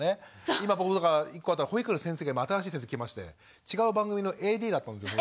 今僕とか１個あったのは保育園の先生が新しい先生が来まして違う番組のＡＤだったんですよ昔。